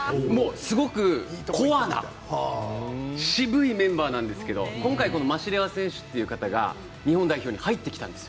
すごくコアな渋いメンバーなんですけど今回、マシレワ選手が日本代表に入ってきたんです